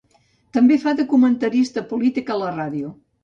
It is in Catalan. També fa de comentarista polític a la ràdio.